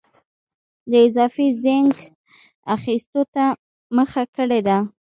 د اضافي زېنک اخیستو ته مخه کړې ده.